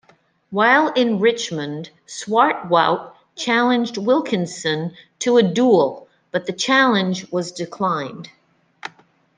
While in Richmond, Swartwout challenged Wilkinson to a duel, but the challenge was declined.